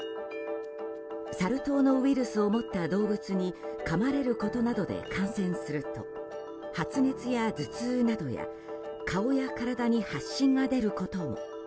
サル痘のウイルスを持った動物にかまれることなどで感染すると発熱や頭痛などや顔や体に発疹が出ることも。